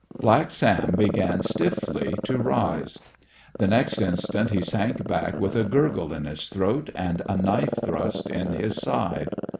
Black Sam began stiffly to arise. The next instant he sank back with a gurgle in his throat and a knife thrust in his side.